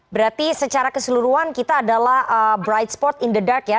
berarti secara keseluruhan kita adalah bright sport in the dark ya